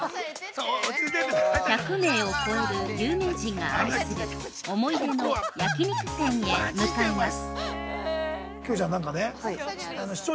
◆１００名を超える有名人が愛する思い出の焼肉店へ向かいます。